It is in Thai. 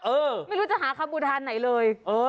ไม่รู้จะหาคำบูทานไหนเลย